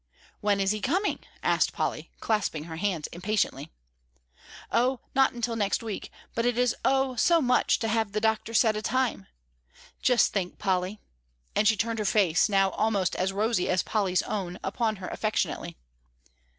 "When is he coming?" asked Polly, clasping her hands impatiently. "Oh, not until next week, but it is, oh, so much, to have the doctor set a time. Just think, Polly," and she turned her face, now almost as rosy as Polly's own, upon her affectionately.